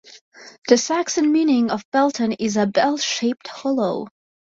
The Saxon meaning of Belton is "a bell-shaped hollow".